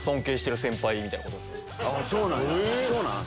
そうなん？